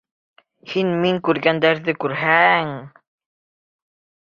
Һин мин күргәндәрҙе күрһәң!